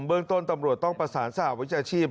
เรื่องต้นตำรวจต้องประสานสหวิชาชีพ